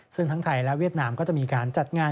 ซึ่งทั้งไทยและเวียดนามก็จะมีการจัดงาน